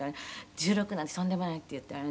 「“１６なんてとんでもない”って言ったらね